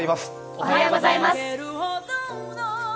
おはようございます。